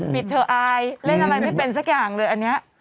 เธออายเล่นอะไรไม่เป็นสักอย่างเลยอันนี้